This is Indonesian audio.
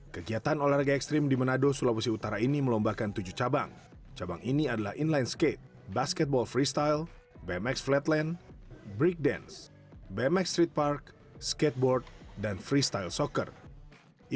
kegiatan olahraga ekstrim di manado telah berlangsung di kawasan megamas manado sulawesi utara